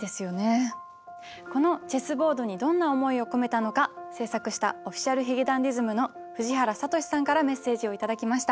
この「Ｃｈｅｓｓｂｏａｒｄ」にどんな思いを込めたのか制作したＯｆｆｉｃｉａｌ髭男ｄｉｓｍの藤原聡さんからメッセージを頂きました。